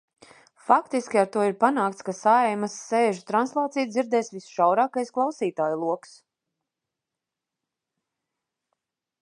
Faktiski ar to ir panākts, ka Saeimas sēžu translāciju dzirdēs visšaurākais klausītāju loks.